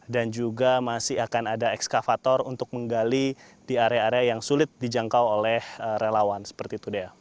dan juga masih akan ada ekskavator untuk menggali di area area yang sulit dijangkau oleh relawan seperti itu